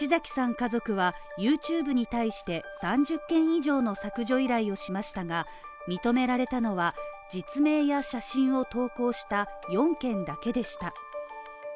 家族はＹｏｕＴｕｂｅに対して３０件以上の削除依頼をしましたが、認められたのは実名や写真を投稿した４件だけでした。